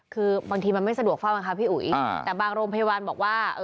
คือบางทีมันไม่สะดวกเฝ้ามั้งคะพี่อุ๋ยแต่บางโรงพยาบาลบอกว่า